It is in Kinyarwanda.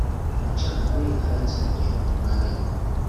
Amacakubiri arenze urugero nimabi